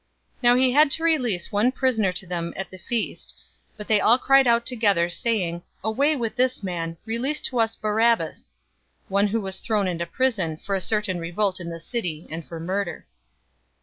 023:017 Now he had to release one prisoner to them at the feast. 023:018 But they all cried out together, saying, "Away with this man! Release to us Barabbas!" 023:019 one who was thrown into prison for a certain revolt in the city, and for murder.